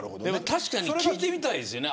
確かに聞いてみたいですね。